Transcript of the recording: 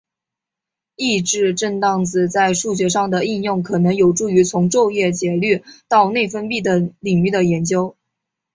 抑制震荡子在数学上的应用可能有助于从昼夜节律到内分泌等领域的研究。